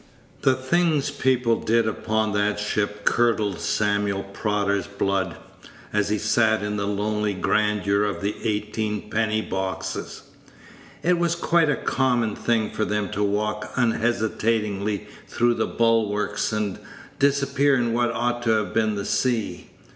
The things people did upon that ship curdled Samuel Prodder's blood, as he sat in the lonely grandeur of the eighteen penny boxes. It was quite a common thing for them to walk unhesitatingly through the bulwarks, and disappear in what ought to have been the sea.